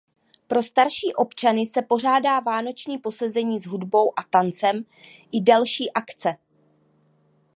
Pro starší občany se pořádá vánoční posezení s hudbou a tancem i další akce.